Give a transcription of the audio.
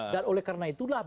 dan oleh karena itulah